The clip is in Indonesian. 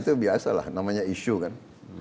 itu biasa lah namanya isu kan